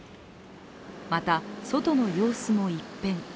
また、外の様子も一変。